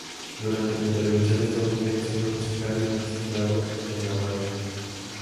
Durante la intervención estadounidense fue fiscal y magistrado en La Habana.